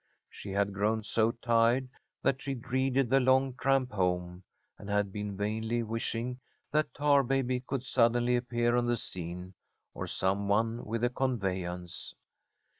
She had grown so tired that she dreaded the long tramp home, and had been vainly wishing that Tarbaby could suddenly appear on the scene, or some one with a conveyance.